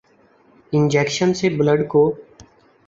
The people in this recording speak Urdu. انجکشن سے بلڈ کو